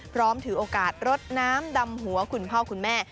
ถือโอกาสรดน้ำดำหัวคุณพ่อคุณแม่